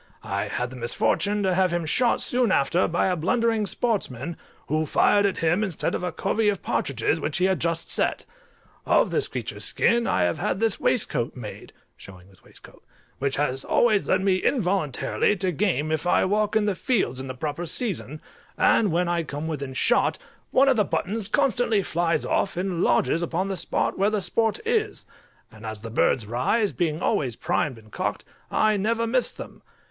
I had the misfortune to have him shot soon after by a blundering sportsman, who fired at him instead of a covey of partridges which he had just set. Of this creature's skin I have had this waistcoat made (showing his waistcoat), which always leads me involuntarily to game if I walk in the fields in the proper season, and when I come within shot, one of the buttons constantly flies off, and lodges upon the spot where the sport is; and as the birds rise, being always primed and cocked, I never miss them.